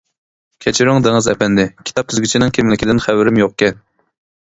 كەچۈرۈڭ دېڭىز ئەپەندى، كىتاب تۈزگۈچىنىڭ كىملىكىدىن خەۋىرىم يوقكەن.